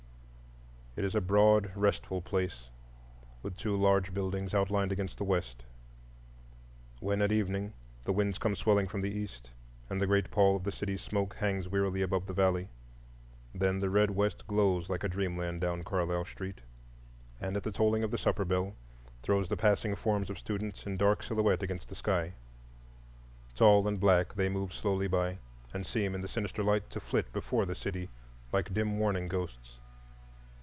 It is a broad, restful place, with two large buildings outlined against the west. When at evening the winds come swelling from the east, and the great pall of the city's smoke hangs wearily above the valley, then the red west glows like a dreamland down Carlisle Street, and, at the tolling of the supper bell, throws the passing forms of students in dark silhouette against the sky. Tall and black, they move slowly by, and seem in the sinister light to flit before the city like dim warning ghosts.